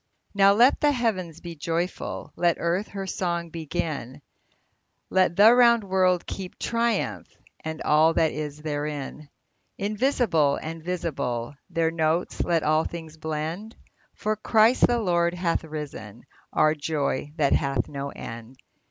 Now let the heavens be joyful, Let earth her song begin, Let the round world keep triumph, And all that is therein ! Invisible and visible, Their notes let all things blend, For Christ the Lord hath risen, Our joy that hath no end